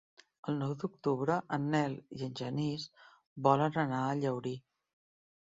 El nou d'octubre en Nel i en Genís volen anar a Llaurí.